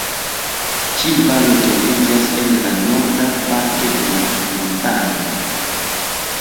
Ĉi valo troviĝas en la norda parto de la montaro.